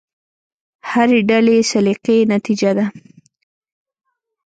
هرې ډلې سلیقې نتیجه ده.